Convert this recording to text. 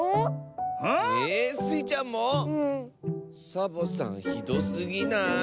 サボさんひどすぎない？